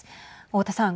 太田さん。